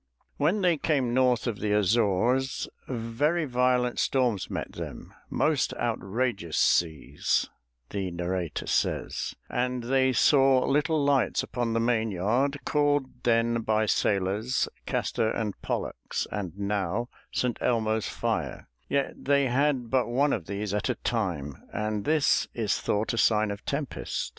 When they came north of the Azores, very violent storms met them; most "outrageous seas," the narrator says; and they saw little lights upon the mainyard called then by sailors "Castor and Pollux," and now "St. Elmo's Fire"; yet they had but one of these at a time, and this is thought a sign of tempest.